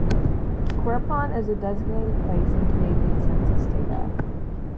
Quirpon is a designated place in Canadian census data.